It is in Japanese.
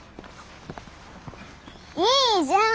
いいじゃん。